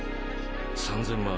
３０００万